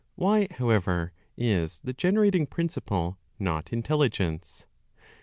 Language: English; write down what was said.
Why, however, is the generating principle not intelligence?